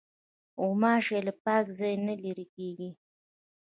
غوماشې له پاک ځای نه لیري کېږي.